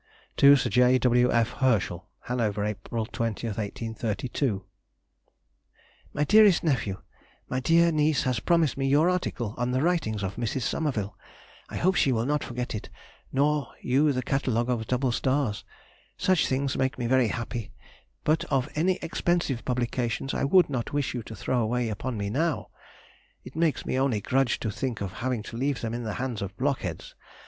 TO SIR J. F. W. HERSCHEL. HANOVER, April 20, 1832. MY DEAREST NEPHEW,— My dear niece has promised me your article on the writings of Mrs. Somerville. I hope she will not forget it, nor you the Catalogue of double stars. Such things make me very happy, but of any expensive publications I would not wish you to throw away upon me now; it makes me only grudge to think of having to leave them in the hands of blockheads.